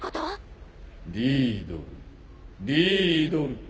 リィードルリィードル。